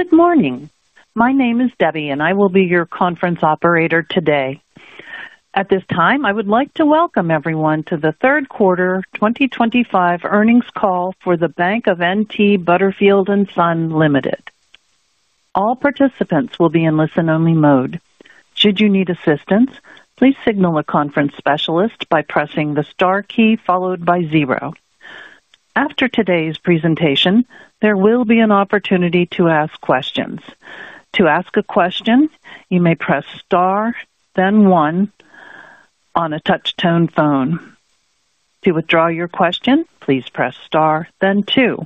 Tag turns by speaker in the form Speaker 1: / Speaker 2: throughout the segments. Speaker 1: Good morning, my name is Debbie and I will be your conference operator today. At this time I would like to welcome everyone to the third quarter 2025 earnings call for Bank of N.T. Butterfield & Son Limited. All participants will be in listen-only mode. Should you need assistance, please signal a conference specialist by pressing the star key followed by zero. After today's presentation, there will be an opportunity to ask questions. To ask a question, you may press star then one on a touch-tone phone. To withdraw your question, please press star then two.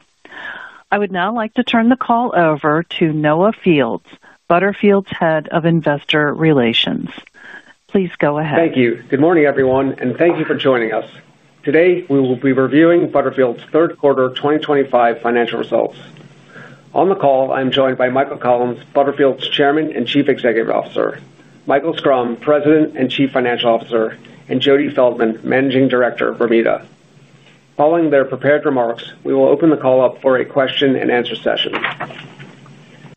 Speaker 1: I would now like to turn the call over to Noah Fields, Butterfield's Head of Investor Relations. Please go ahead.
Speaker 2: Thank you. Good morning everyone and thank you for joining us. Today we will be reviewing Butterfield's third quarter 2025 results. On the call I am joined by Michael Collins, Butterfield's Chairman and Chief Executive Officer, Michael Schrum, President and Chief Financial Officer, and Jody Feldman, Managing Director, Bermuda. Following their prepared remarks, we will open the call up for a question and answer session.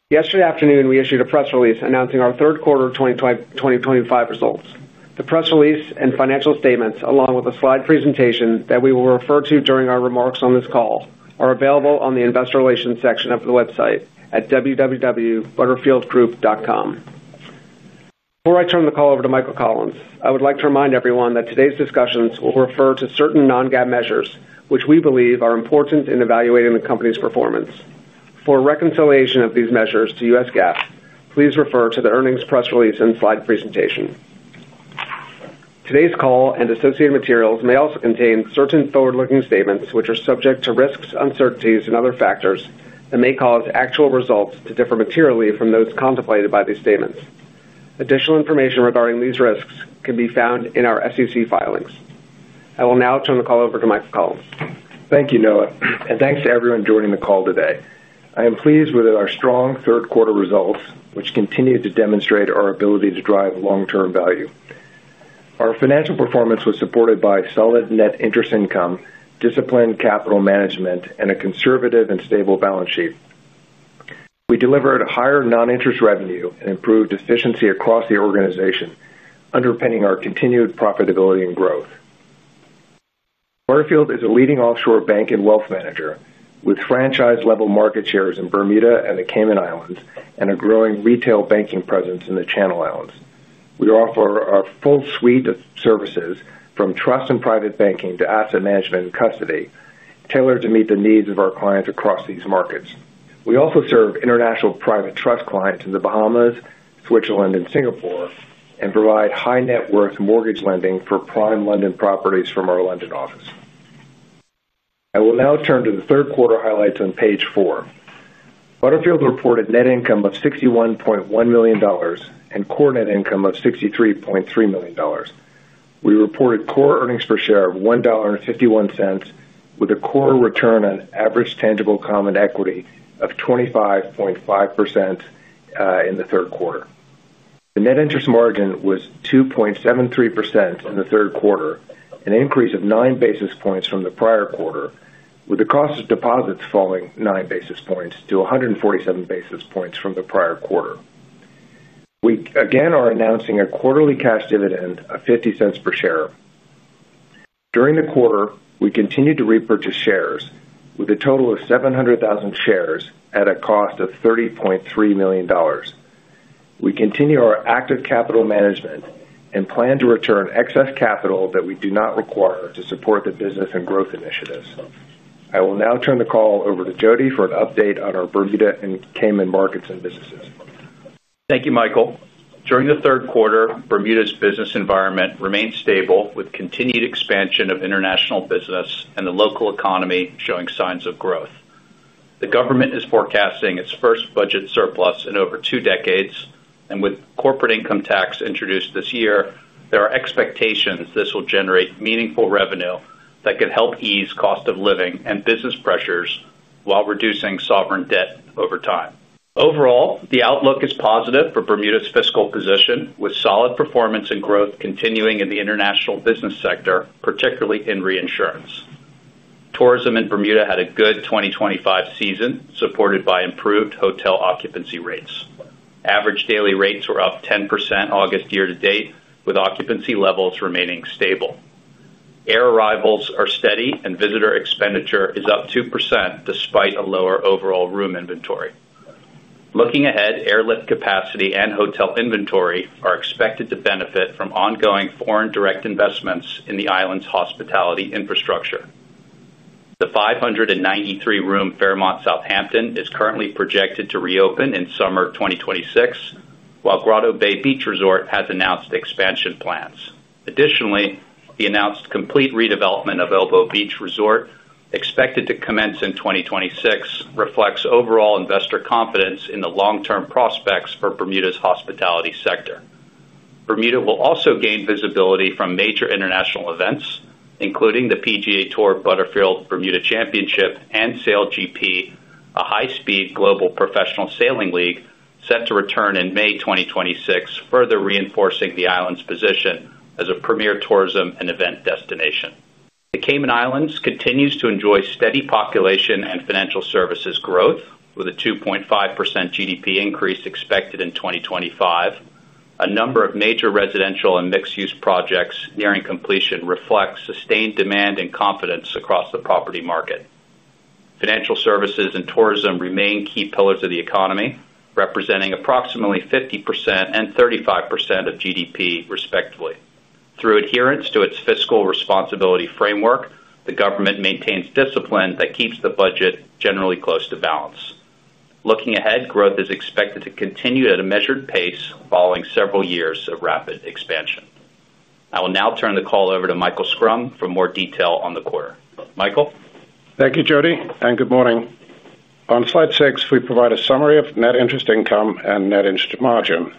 Speaker 2: Yesterday afternoon we issued a press release announcing our third quarter 2025 results. The press release and financial statements, along with a slide presentation that we will refer to during our remarks on this call, are available on the Investor Relations section of the website at www.butterfieldgroup.com. Before I turn the call over to Michael Collins, I would like to remind everyone that today's discussions will refer to certain non-GAAP measures which we believe are important in evaluating the Company's performance. For a reconciliation of these measures to U.S. GAAP, please refer to the earnings press release and slide presentation. Today's call and associated materials may also contain certain forward-looking statements which are subject to risks, uncertainties, and other factors that may cause actual results to differ materially from those contemplated by these statements. Additional information regarding these risks can be found in our SEC filings. I will now turn the call over to Michael Collins.
Speaker 3: Thank you, Noah, and thanks to everyone joining the call today. I am pleased with our strong third quarter results, which continue to demonstrate our ability to drive long-term value. Our financial performance was supported by solid net interest income, disciplined capital management, and a conservative and stable balance sheet. We delivered higher non-interest revenue and improved efficiency across the organization, underpinning our continued profitability and growth. Butterfield is a leading offshore bank and wealth manager with franchise-level market shares in Bermuda and the Cayman Islands and a growing retail banking presence in the Channel Islands. We offer our full suite of services from trust and private banking to asset management and custody, tailored to meet the needs of our clients across these markets. We also serve international private trust clients in the Bahamas, Switzerland, and Singapore and provide high net worth mortgage lending for prime London properties from our London office. I will now turn to the third quarter highlights on page four. Butterfield reported net income of $61.1 million and core net income of $63.3 million. We reported core earnings per share of $1.51 with a core return on average tangible common equity of 25.5% in the third quarter. The net interest margin was 2.73% in the third quarter, an increase of 9 basis points from the prior quarter. With the cost of deposits falling 9 basis points to 147 basis points from the prior quarter. We again are announcing a quarterly cash dividend of $0.50 per share. During the quarter, we continued to repurchase shares with a total of 700,000 shares at a cost of $30.3 million. We continue our active capital management and plan to return excess capital that we do not require to support the business and growth initiatives. I will now turn the call over to Jody for an update on our Bermuda and Cayman markets and businesses.
Speaker 4: Thank you, Michael. During the third quarter, Bermuda's business environment remains stable with continued expansion of international business and the local economy showing signs of growth. The government is forecasting its first budget surplus in over two decades, and with corporate income tax introduced this year, there are expectations this will generate meaningful revenue that could help ease cost of living and business pressures while reducing sovereign debt over time. Overall, the outlook is positive for Bermuda's fiscal position with solid performance and growth continuing in the international business sector, particularly in reinsurance. Tourism in Bermuda had a good 2025 season, supported by improved hotel occupancy rates. Average daily rates were up 10% August year to date, with occupancy levels remaining stable. Air arrivals are steady and visitor expenditure is up 2% despite a lower overall room inventory. Looking ahead, airlift capacity and hotel inventory are expected to benefit from ongoing foreign direct investments in the island's hospitality infrastructure. The 593-room Fairmont Southampton is currently projected to reopen in summer 2026, while Grotto Bay Beach Resort has announced expansion plans. Additionally, the announced complete redevelopment of Elbow Beach Resort, expected to commence in 2026, reflects overall investor confidence in the long-term prospects for Bermuda's hospitality sector. Bermuda will also gain visibility from major international events, including the PGA Tour Butterfield Bermuda Championship and Sail GP, a high-speed global professional sailing league set to return in May 2026, further reinforcing the island's position as a premier tourism and event destination. The Cayman Islands continues to enjoy steady population and financial services growth, with a 2.5% GDP increase expected in 2025. A number of major residential and mixed-use projects nearing completion reflect sustained demand and confidence across the property market. Financial services and tourism remain key pillars of the economy, representing approximately 50% and 35% of GDP, respectively. Through adherence to its fiscal responsibility framework, the government maintains discipline that keeps the budget generally close to balance. Looking ahead, growth is expected to continue at a measured pace following several years of rapid expansion. I will now turn the call over to Michael Schrum for more detail on the quarter.
Speaker 5: Michael, thank you Jody, and good morning. On Slide six, we provide a summary of net interest income and net interest margin.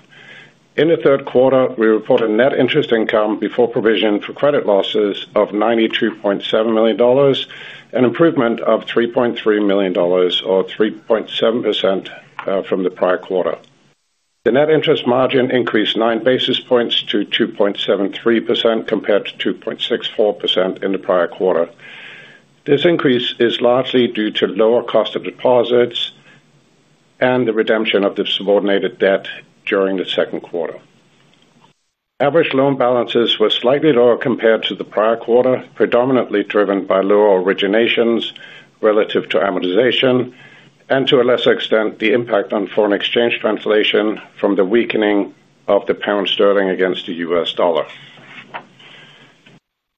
Speaker 5: In the third quarter. We reported net interest income before provision for credit losses of $92.7 million, an improvement of $3.3 million, or 3.7% from the prior quarter. The net interest margin increased nine basis points to 2.73% compared to 2.64% in the prior quarter. This increase is largely due to lower cost of deposits and the redemption of the subordinated debt. During the second quarter, average loan balances were slightly lower compared to the prior quarter, predominantly driven by lower originations relative to amortization and to a lesser extent. The impact on foreign exchange translation from the weakening of the pound sterling against. The U.S. dollar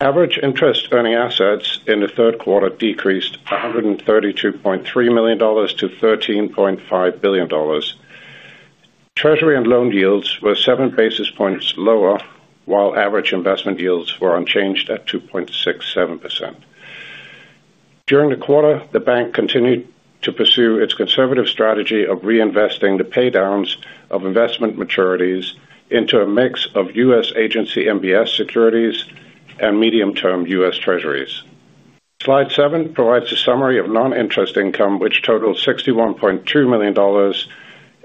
Speaker 5: average interest earning assets in the third quarter decreased $132.3 million to $13.5 billion. Treasury and loan yields were 7 basis points lower while average investment yields were unchanged at 2.67% during the quarter. The bank continued to pursue its conservative strategy of reinvesting the paydowns of investment maturities into a mix of U.S. agency, MBS securities, and medium term U.S. treasuries. Slide seven provides a summary of non-interest income, which totaled $61.2 million,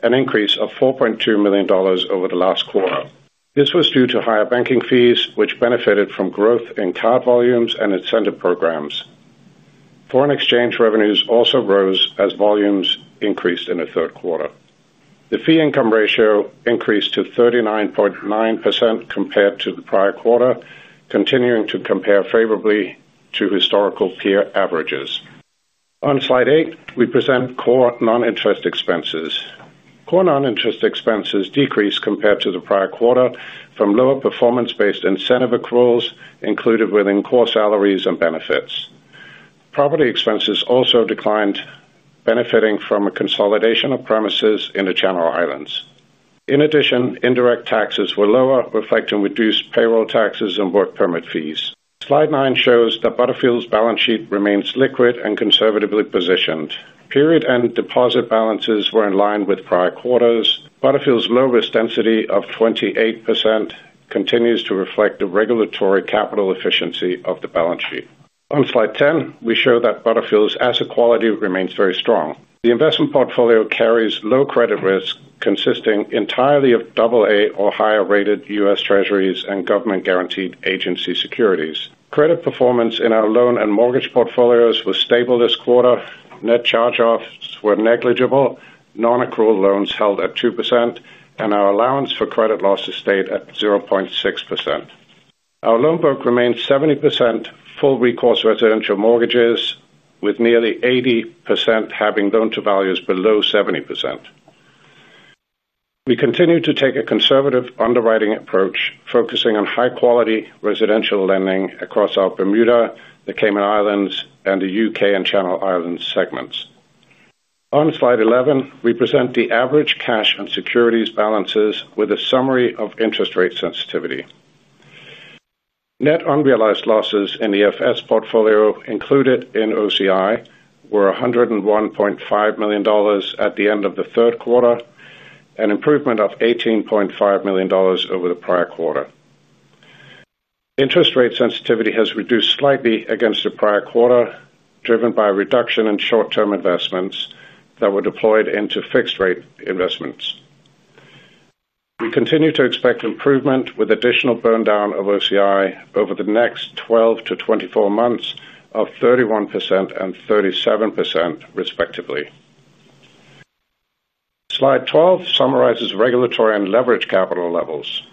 Speaker 5: an increase of $4.2 million over the last quarter. This was due to higher banking fees, which benefited from growth in card volumes and incentive programs. Foreign exchange revenues also rose as volumes increased in the third quarter. The fee income ratio increased to 39.9% compared to the prior quarter, continuing to compare favorably to historical peer averages. On Slide eight, we present core non-interest expenses. Core non-interest expenses decreased compared to the prior quarter from lower performance-based incentive accruals included within core salaries and benefits. Property expenses also declined, benefiting from a consolidation of premises in the Channel Islands. In addition, indirect taxes were lower, reflecting reduced payroll taxes and work permit fees. Slide 9 shows that Butterfield's balance sheet remains liquid and conservatively positioned. Period end deposit balances were in line with prior quarters. Butterfield's low risk density of 28% continues to reflect the regulatory capital efficiency of the balance sheet. On slide 10, we show that Butterfield's asset quality remains very strong. The investment portfolio carries low credit risk, consisting entirely of AA or higher rated U.S. treasuries and government guaranteed agency securities. Credit performance in our loan and mortgage portfolios was stable this quarter. Net charge-offs were negligible. Non-accrual loans held at 2% and our allowance for credit losses stayed at 0.6%. Our loan book remained 70% full recourse residential mortgages with nearly 80% having loan to values below 70%. We continue to take a conservative underwriting approach, focusing on high quality residential lending across our Bermuda, the Cayman Islands, the UK, and Channel Islands segments. On slide 11, we present the average cash and securities balances with a summary of interest rate sensitivity. Net unrealized losses in the FS portfolio included in OCI were $101.5 million at the end of the third quarter, an improvement of $18.5 million over the prior quarter. Interest rate sensitivity has reduced slightly against the prior quarter, driven by a reduction in short term investments that were deployed into fixed rate investments. We continue to expect improvement with additional burn down of OCI over the next 12 to 24 months of 31% and 37% respectively. Slide 12 summarizes regulatory and leverage capital levels.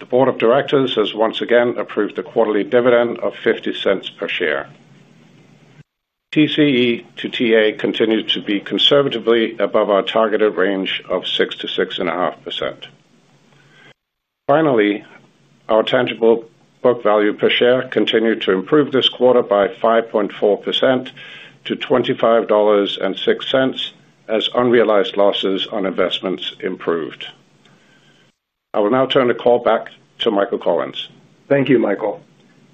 Speaker 5: The Board of Directors has once again approved a quarterly dividend of $0.50 per share. TCE to TA continues to be conservatively above our targeted range of 6% to 6.5%. Finally, our tangible book value per share continued to improve this quarter by 5.4% to $25.06 as unrealized losses on investments improved. I will now turn the call back to Michael Collins.
Speaker 3: Thank you, Michael.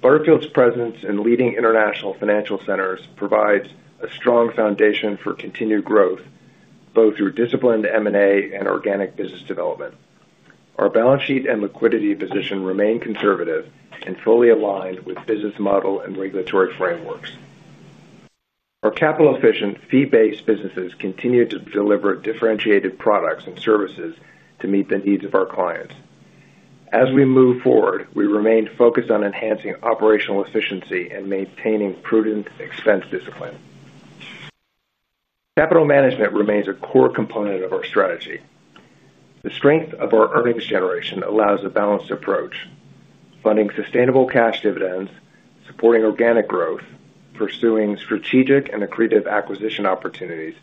Speaker 3: Butterfield's presence in leading international financial centers provides a strong foundation for continued growth both through disciplined M&A and organic business development. Our balance sheet and liquidity position remain conservative and fully aligned with business model and regulatory frameworks. Our capital-efficient fee-based businesses continue to deliver differentiated products and services to meet the needs of our clients. As we move forward, we remain focused on enhancing operational efficiency and maintaining prudent expense discipline. Capital management remains a core component of our strategy. The strength of our earnings generation allows a balanced approach, funding sustainable cash dividends, supporting organic growth, pursuing strategic and accretive acquisition opportunities,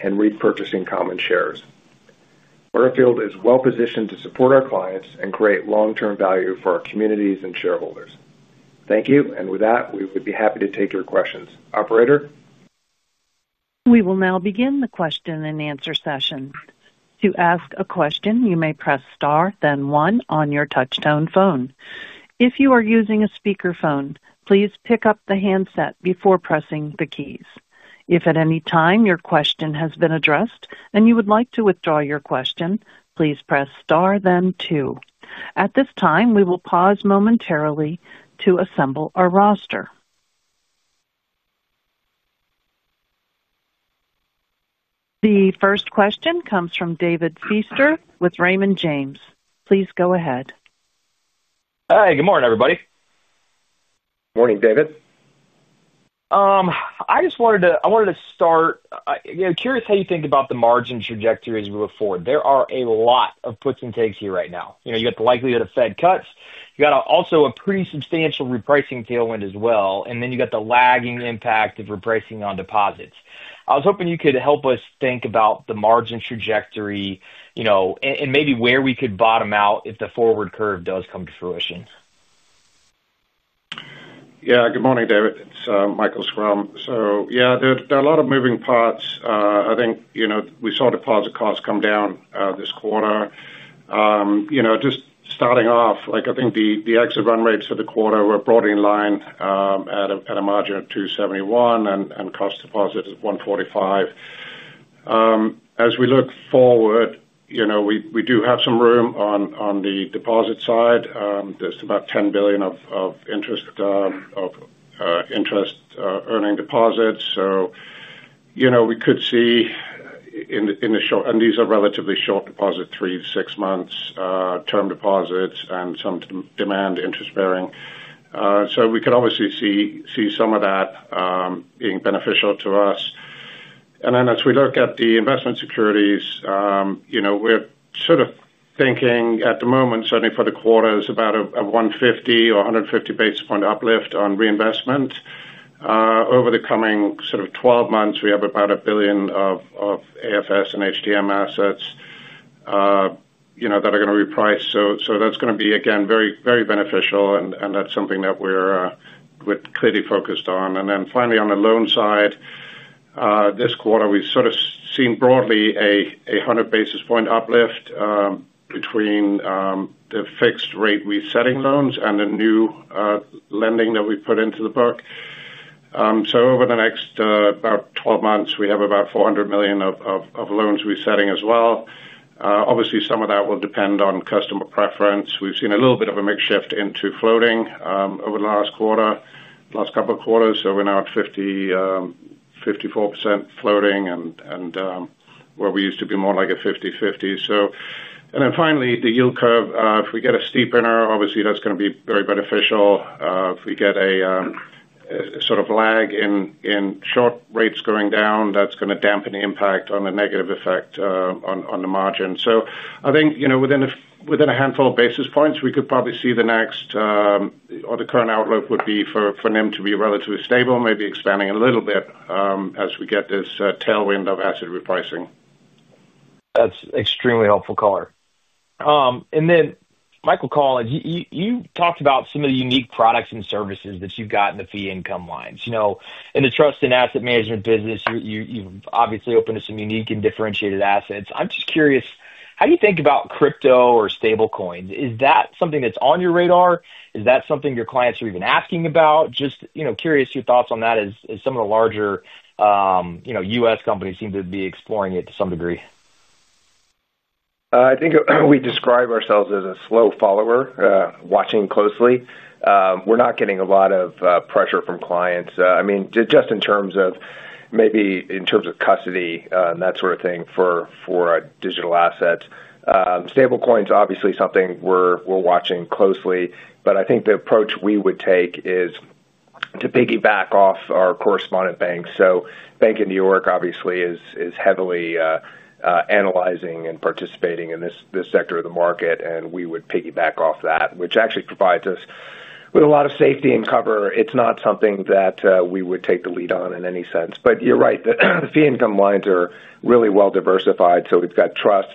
Speaker 3: and repurchasing common shares. Butterfield is well positioned to support our clients and create long-term value for our communities and shareholders. Thank you. We would be happy to take your questions, Operator.
Speaker 1: We will now begin the question and answer session. To ask a question, you may press star then one on your touchtone phone. If you are using a speakerphone, please pick up the handset before pressing the keys. If at any time your question has been addressed and you would like to withdraw your question, please press star then two. At this time, we will pause momentarily to assemble our roster. The first question comes from David Feaster with Raymond James. Please go ahead.
Speaker 6: Hi, good morning everybody.
Speaker 3: Morning, David.
Speaker 6: I wanted to start curious how you think about the margin trajectory as we look forward. There are a lot of puts and takes here right now. You know, you got the likelihood of Fed cuts. You got also a pretty substantial repricing tailwind as well. Then you got the lagging impact of repricing on deposits. I was hoping you could help us think about the margin trajectory, you know, and maybe where we could bottom out if the forward curve does come to fruition.
Speaker 5: Yes, good morning David, it's Michael Schrum. There are a lot of moving parts I think, you know, we saw deposit costs come down this quarter. Just starting off, I think the exit run rates for the quarter were broadly in line at a margin of 2.71% and cost of deposit is 1.45%. As we look forward, we do have some room on the deposit side. There's about $10 billion of interest-earning deposits. We could see, in the short term, and these are relatively short deposits, 36-month term deposits and some demand interest bearing. We could obviously see some of that being beneficial to us. As we look at the investment securities, you know, we're sort of thinking at the moment certainly for the quarter is about a 150 or 150 basis point uplift on reinvestment over the coming sort of 12 months. We have about $1 billion of AFS and HTM assets, you know, that are going to reprice. That's going to be again very, very beneficial. That's something that we're clearly focused on. Finally, on the loan side this quarter we've sort of seen broadly a 100 basis point uplift between the fixed rate resetting loans and the new lending that we put into the book. Over the next about 12 months we have about $400 million of loans resetting as well. Obviously some of that will depend on customer preference. We've seen a little bit of a mix shift into floating over the last quarter, last couple of quarters. We're now at 54% floating, where we used to be more like a 50/50. Finally, the yield curve, if we get a steepen, obviously that's going to be very beneficial. If we get a sort of lag in short rates going down, that's going to dampen the impact on the negative effect on the margin. I think, you know, within, within. A handful of basis points, we could. Probably see the next or the current outlook would be for NIM to be relatively stable, maybe expanding a little bit as we get this tailwind of asset repricing.
Speaker 6: That's extremely helpful color, and then Michael Collins, you talked about some of the unique products and services that you've got in the fee income lines. You know, in the asset management business you've obviously opened some unique and differentiated assets. I'm just curious, how do you think about crypto or stablecoin initiatives? Is that something that's on your radar? Is that something your clients are even asking about? Just curious your thoughts on that as some of the larger U.S. companies seem to be exploring it to some degree.
Speaker 3: I think we describe ourselves as a slow follower watching closely. We're not getting a lot of pressure from clients just in terms of maybe in terms of custody and that sort of thing for digital assets. Stablecoin is obviously something we're watching closely. I think the approach we would take is to piggyback off our correspondent banks. Bank of New York obviously is heavily analyzing and participating in this sector of the market, and we would piggyback off that, which actually provides us with a lot of safety and cover. It's not something that we would take the lead on in any sense. You're right, the fee income lines are really well diversified. We've got trust,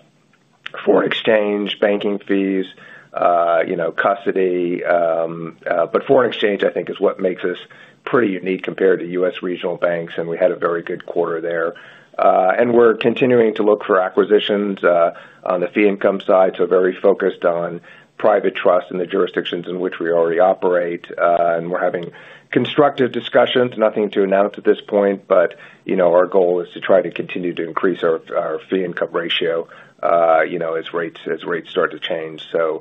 Speaker 3: foreign exchange, banking fees, custody. Foreign exchange is what makes us pretty unique compared to U.S. regional banks. We had a very good quarter there, and we're continuing to look for acquisitions on the fee income side. We're very focused on private trusts in the jurisdictions in which we already operate, and we're having constructive discussions. Nothing to announce at this point. Our goal is to try to continue to increase our fee income ratio as rates start to change. We're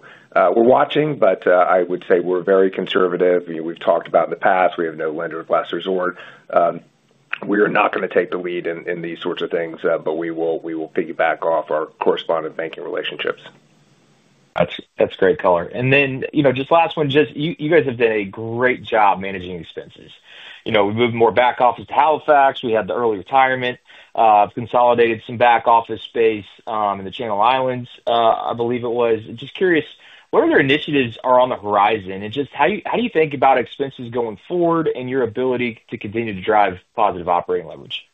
Speaker 3: watching, but I would say we're very conservative. We've talked about in the past, we have no lender of last resort. We are not going to take the lead in these sorts of things, but we will piggyback off our correspondent banking relationships.
Speaker 6: That's great [color]. Just last one, you guys have done a great job managing expenses. You know we moved more back office to Halifax. We had the early retirement, consolidated some back office space in the Channel Islands. I believe it was. Just curious what other initiatives are on the horizon and how do you think about expenses going forward and your ability to continue to drive positive operating leverage?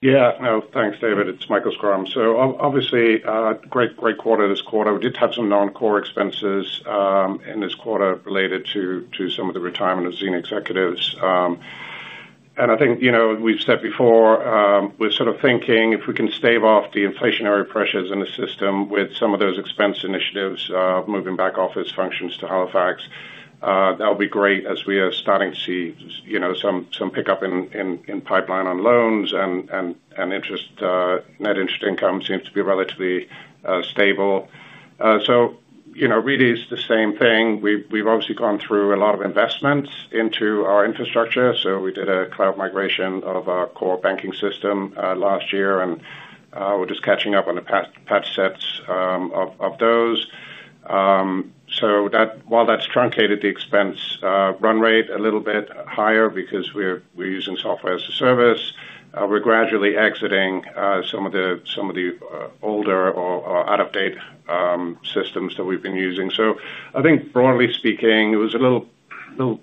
Speaker 5: Yeah, no thanks David, it's Michael Schrum. Obviously great, great quarter this quarter. We did have some non-core expenses in this quarter related to some of the retirement of senior executives. I think, you know, we've said before we're sort of thinking if we can stave off the inflationary pressures in the system with some of those expense initiatives moving back-office functions to Halifax, that'll be great. As we are starting to see, you know, some pickup in pipeline on loans and interest. Net interest income seems to be relatively stable. Really it's the same thing. We've obviously gone through a lot of investments into our infrastructure. We did a cloud migration of our core banking systems last year and we're just catching up on the patch sets of those. While that's truncated the expense run rate a little bit higher because we're using software as a service, we're gradually exiting some of the older or out-of-date systems that we've been using. I think broadly speaking it was a little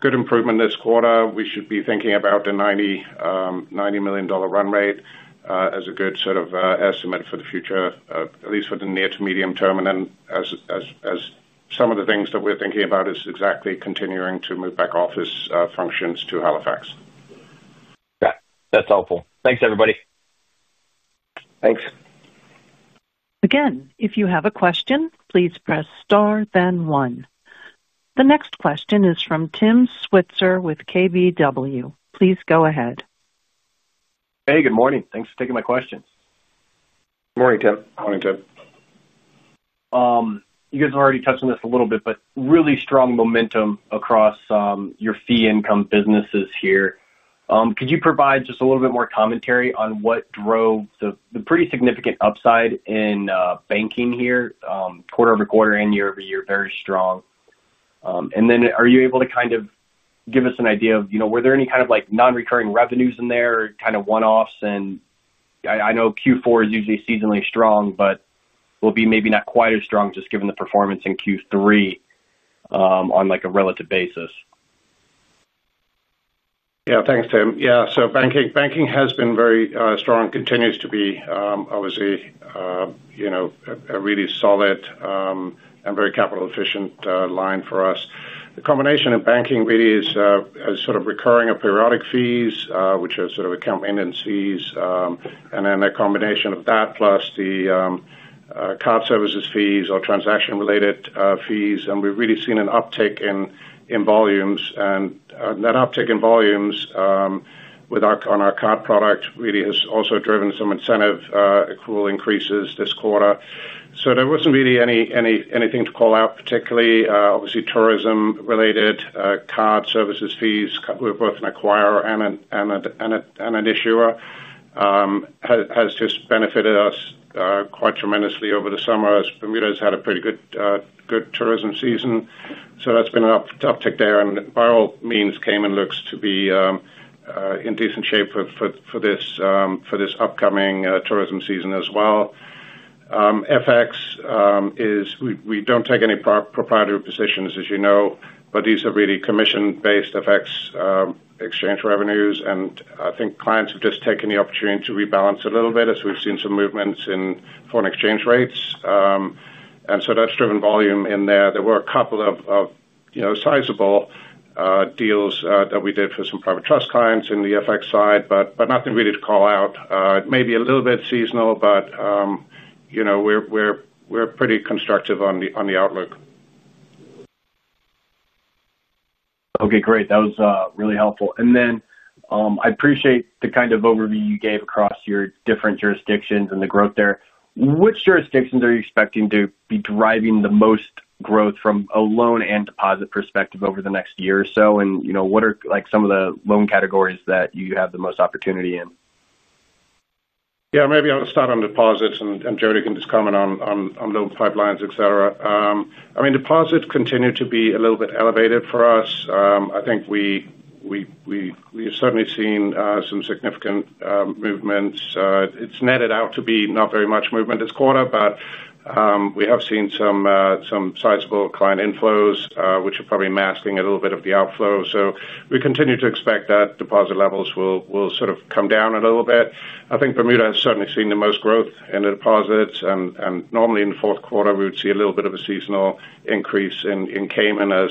Speaker 5: good improvement this quarter. We should be thinking about the $90 million run rate as a good sort of estimate for the future, at least for the near to medium term. As some of the things that we're thinking about is exactly continuing to move back-office functions to Halifax.
Speaker 6: That's helpful. Thanks everybody.
Speaker 3: Thanks again.
Speaker 1: If you have a question, please press star then one. The next question is from Tim Switzer with KBW. Please go ahead.
Speaker 7: Hey, good morning, thanks for taking my questions.
Speaker 3: Morning Tim.
Speaker 5: Morning Tim.
Speaker 7: You guys have already touched on this a little bit, but really strong momentum across your fee income businesses here. Could you provide just a little bit more commentary on what drove the pretty significant upside in banking here? Quarter-over-quarter and year-over-year, very strong. Are you able to give us an idea of, you know, were there any kind of non-recurring revenues in there, kind of one-offs? I know Q4 is usually seasonally strong, but will it be maybe not quite as strong just given the performance in Q3 on a relative basis.
Speaker 5: Yes, thanks Tim. Yes, banking has been very strong. Continues to be obviously, you know, a really solid and very capital efficient line for us. The combination of banking really is sort of recurring or periodic fees, which are sort of account maintenance fees, and then a combination of that plus the card services fees or transaction related fees. We've really seen an uptick in volumes. That uptick in volumes on our card product really has also driven some incentive accrual increases this quarter. There wasn't really anything to call out, particularly obviously tourism related card services fees. We're both an acquirer and an issuer, has just benefited us quite tremendously over the summer as Bermuda has had a pretty good tourism season. That's been an uptick there. Cayman looks to be in decent shape for this upcoming tourism season as well. FX is, we don't take any proprietary positions as you know, but these are really commission-based FX exchange revenues, and I think clients have just taken the opportunity to rebalance a little bit as we've seen some movements in foreign exchange rates, and that's driven volume in there. There were a couple of sizable deals that we did for some private trust clients on the FX side, but nothing really to call out. It may be a little bit seasonal, but we're pretty constructive on the outlook.
Speaker 7: Okay, great, that was really helpful. I appreciate the kind of overview you gave across your different jurisdictions and the growth there. Which jurisdictions are you expecting to be driving the most growth from a loan and deposit perspective over the next year or so? What are some of the loan categories that you have the most opportunity in?
Speaker 5: Yeah, maybe I'll start on deposits, and Jody can just comment on loan pipelines, etc. Deposits continue to be a little bit elevated for us. I think we have certainly seen some significant movements. It's netted out to be not very much movement this quarter, but we have seen some sizable client inflows which are probably masking a little bit of the outflow. We continue to expect that deposit levels will sort of come down a little bit. I think Bermuda has certainly seen the most growth in the deposits and normally in the fourth quarter we would see a little bit of a seasonal increase in Cayman as,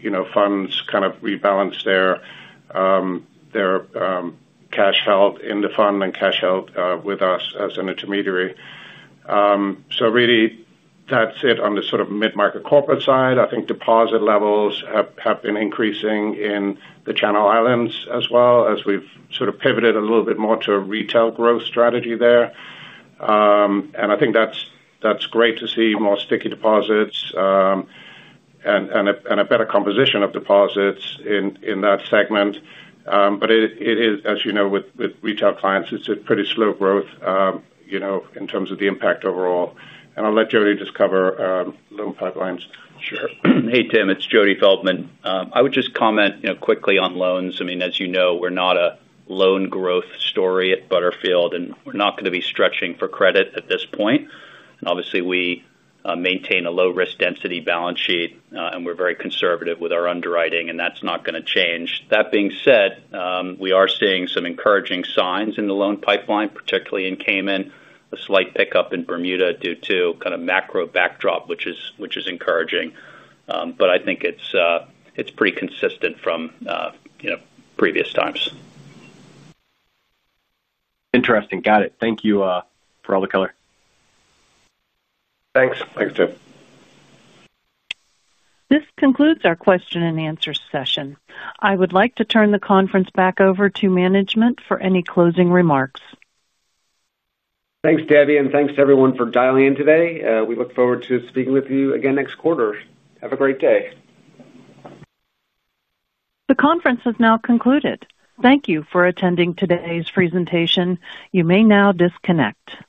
Speaker 5: you know, funds kind of rebalance their cash held in the fund and cash out with us as an intermediary. Really that's it. On the sort of mid market corporate side, I think deposit levels have been increasing in the Channel Islands as well as we've sort of pivoted a little bit more to a retail growth strategy there. I think that's great to see more sticky deposits. A better composition of deposits in that segment. As you know, with retail clients, it's a pretty slow growth in terms of the impact overall. I'll let Jody just cover loan pipelines.
Speaker 4: Sure. Hey, Tim, it's Jody Feldman. I would just comment quickly on loans. I mean, as you know, we're not a loan growth story at Butterfield and we're not going to be stretching for credit at this point. Obviously, we maintain a low risk density balance sheet and we're very conservative with our underwriting and that's not going to change. That being said, we are seeing some encouraging signs in the loan pipeline, particularly in Cayman. A slight pickup in Bermuda due to kind of macro backdrop, which is encouraging. I think it's pretty consistent from previous times.
Speaker 7: Interesting. Got it. Thank you for all the [color].
Speaker 5: Thanks.
Speaker 3: Thanks, Jim.
Speaker 1: This concludes our question and answer session. I would like to turn the conference back over to management for any closing remarks.
Speaker 2: Thanks, Debbie. Thank you to everyone for dialing in today. We look forward to speaking with you again next quarter. Have a great day.
Speaker 1: The conference has now concluded. Thank you for attending today's presentation. You may now disconnect.